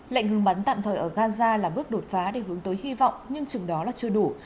lệnh ngừng bắn tạm thời ở gaza là bước đột phá để hướng tới hy vọng nhưng chừng đó là chưa đủ